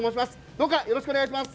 どうかよろしくお願いします。